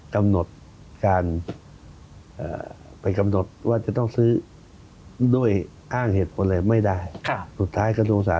กำหนดการเป็นกำหนดว่าจะต้องซื้อด้วยอ้างเหตุผลเลยไม่ได้